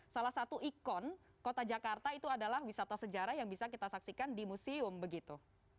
salah satu ikon kota jakarta itu adalah wisata sejarah yang bisa kita saksikan di museum begitu